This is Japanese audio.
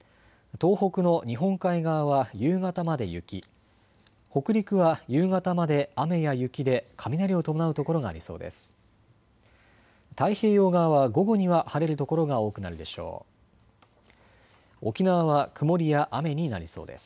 東北の日本海側は夕方まで雪、北陸は夕方まで雨や雪で雷を伴う所がありそうです。